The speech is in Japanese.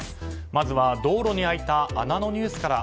まずは道路に開いた穴のニュースから。